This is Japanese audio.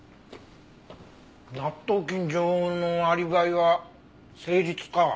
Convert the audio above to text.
納豆菌女王のアリバイは成立か。